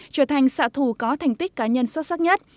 trở thành xạ thủ có thành tích cá nhân xuất sắc nhất